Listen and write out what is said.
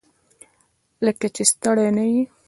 لکه چې ستړی نه یې؟